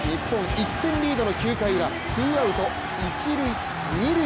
１点リードの９回ウラツーアウト一・二塁。